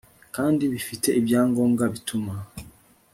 kandi bifite ibyangombwa bituma